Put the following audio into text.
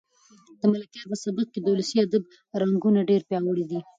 د ملکیار په سبک کې د ولسي ادب رنګونه ډېر پیاوړي دي.